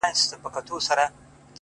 هغه به خپل زړه په ژړا وویني;